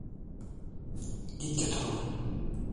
Git getir onu.